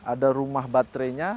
ada rumah baterainya